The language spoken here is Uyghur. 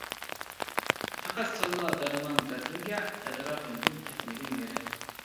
پەقەت سەنلا دەرمان دەردىمگە، ئەتراپىمدىن كەتمىگىن نېرى.